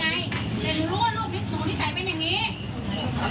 มันก็ไม่ยอมด้วยแต่อย่ามาพ่อแม่ไม่ต้องมาพ่อแม่